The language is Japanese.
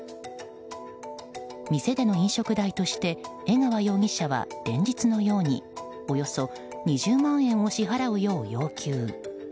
店での飲食代として江川容疑者は、連日のようにおよそ２０万円を支払うよう要求。